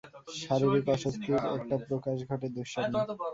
শারীরিক অস্বস্তির একটা প্রকাশ ঘটে দুঃস্বপ্নে।